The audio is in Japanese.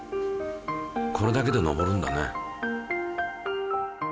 これだけで上るんだね。